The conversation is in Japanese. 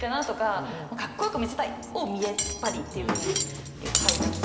カッコよく見せたいを「みえっぱり」っていうふうに書いたんですけど。